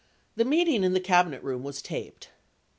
89 The meeting in the Cabinet Room was taped.